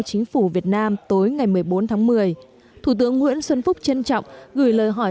chính phủ việt nam tối ngày một mươi bốn tháng một mươi thủ tướng nguyễn xuân phúc trân trọng gửi lời hỏi